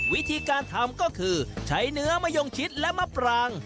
วิธีการทำก็คือใช้เนื้อมะยงชิดและมะปราง